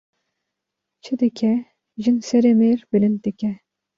Çi dike jin serê mêr bilind dike